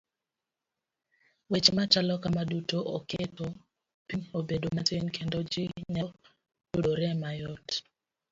Weche machalo kama duto oketo piny obedo matin kendo ji nyalo tudore mayot.